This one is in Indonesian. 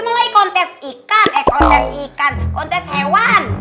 mulai kontes ikan eh kontes ikan kontes hewan